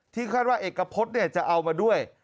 ที่คาดว่าเอกกระพศจะเอามาด้วย